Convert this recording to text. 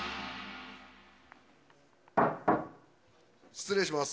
失礼します。